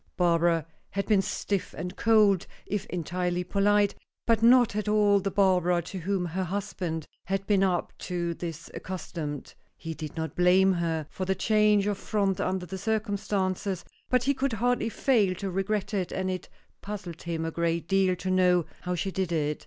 Barbara had been stiff and cold, if entirely polite, but not at all the Barbara to whom her husband had been up to this accustomed. He did not blame her for the change of front under the circumstances, but he could hardly fail to regret it, and it puzzled him a great deal to know how she did it.